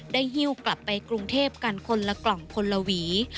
หิ้วกลับไปกรุงเทพกันคนละกล่องคนละหวี